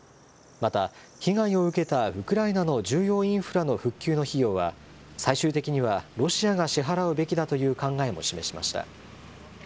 また、被害を受けたウクライナの重要インフラの復旧の費用は、最終的にはロシアが支払うべきだという考えも示しました。